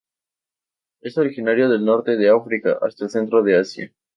Es originario del norte de África hasta el centro de Asia.